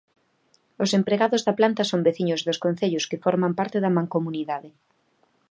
Os empregados da planta son veciños dos concellos que forman parte da Mancomunidade.